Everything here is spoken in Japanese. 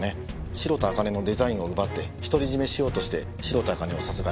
白田朱音のデザインを奪って独り占めしようとして白田朱音を殺害。